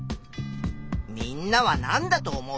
みんなは何だと思う？